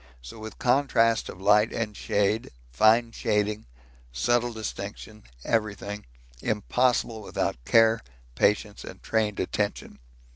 So with contrast of light and shade fine shading, subtle distinction, everything impossible without care, patience, and trained attention.